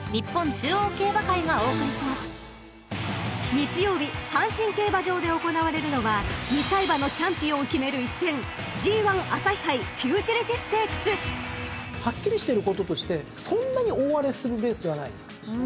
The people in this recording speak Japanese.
［日曜日阪神競馬場で行われるのは２歳馬のチャンピオンを決める一戦ＧⅠ朝日杯フューチュリティステークス］はっきりしていることとしてそんなに大荒れするレースではないです。